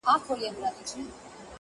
علم وویل زما ډیر دي آدرسونه!